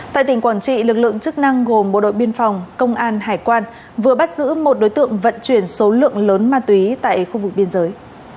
tại tỉnh quảng trị lực lượng chức năng gồm bộ đội biên phòng công an hải quan vừa bắt giữ một đối tượng vận chuyển số lượng lớn ma túy tại khu vực biên giới